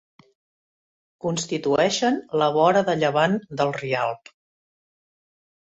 Constitueixen la vora de llevant del Rialb.